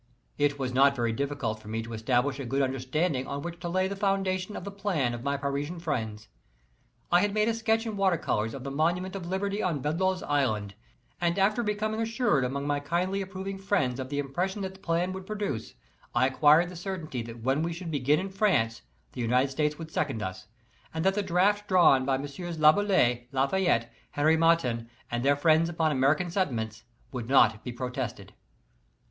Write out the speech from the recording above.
It was not very difficult for me to establish a good understanding on which to lay the foundations of the plan of my Parisian friends. I had made a sketch in water colors of the monument of Liberty on Bedloe's Island, and after becoming assured among my kindly approving friends of the impression that the plan would produce, I acquired the certainty that when we should begin in France the United States would second us, and that the draft drawn by Messieurs Laboulaye, Lafayette, Henri Martin and their friends upon American sentiments would not be protested.